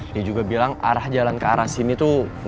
dia juga bilang arah jalan ke arah sini tuh